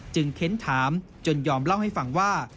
เค้นถามจนยอมเล่าให้ฟังว่า